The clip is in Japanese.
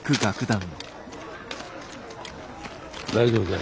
大丈夫かい？